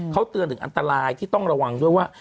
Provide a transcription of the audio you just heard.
เขาเตือนถึงอันตรายที่ต้องระวังด้วยว่า